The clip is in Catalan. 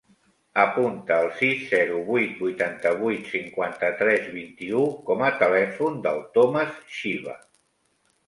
Apunta el sis, zero, vuit, vuitanta-vuit, cinquanta-tres, vint-i-u com a telèfon del Thomas Chiva.